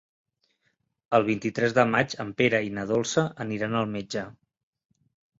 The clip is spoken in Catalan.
El vint-i-tres de maig en Pere i na Dolça aniran al metge.